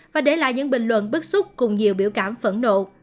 và để lại những bình luận bức xúc cùng nhiều biểu cảm phẫn nộ